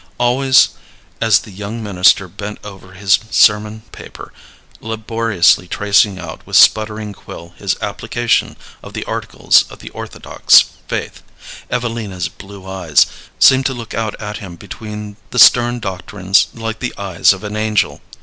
Always as the young minister bent over his sermon paper, laboriously tracing out with sputtering quill his application of the articles of the orthodox faith, Evelina's blue eyes seemed to look out at him between the stern doctrines like the eyes of an angel.